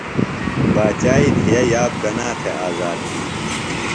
باچائی دیہہ یاب کنا تھےۡ آزاد تِھیلیۡ؟